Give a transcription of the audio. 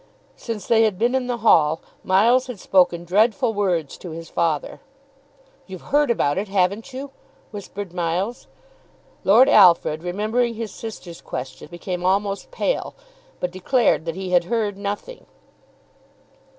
Since they had been in the hall Miles had spoken dreadful words to his father. "You've heard about it; haven't you?" whispered Miles. Lord Alfred, remembering his sister's question, became almost pale, but declared that he had heard nothing.